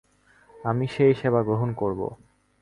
আমি সেই সেবা গ্রহণ করব।